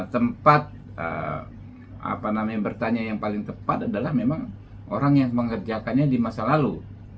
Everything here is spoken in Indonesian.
tempat bertanya yang paling tepat adalah memang orang yang mengerjakannya di masa lalu